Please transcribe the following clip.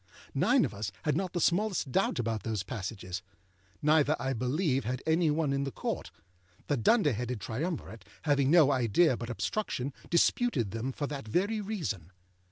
Nine of us had not the smallest doubt about those passages, neither, I believe, had any one in the Court; the dunder headed triumvirate, having no idea but obstruction, disputed them for that very reason.